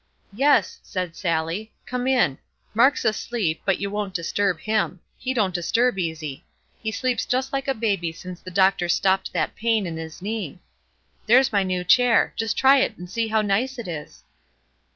"Yes," said Sallie, "come in; Mark's asleep, but you won't disturb him; he don't disturb easy; he sleeps just like a baby since the doctor stopped that pain in his knee. There's my new chair; just try it and see how nice it is."